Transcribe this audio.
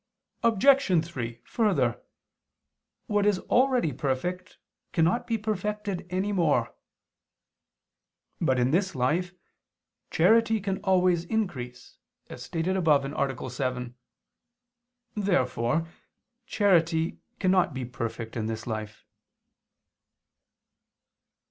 Obj. 3: Further, what is already perfect cannot be perfected any more. But in this life charity can always increase, as stated above (A. 7). Therefore charity cannot be perfect in this life.